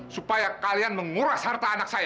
supaya kalian menguras harta anak saya